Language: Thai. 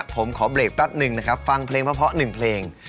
ผมขอเบรกแป๊บหนึ่งนะครับฟังเพลงเพราะเพราะหนึ่งเพลง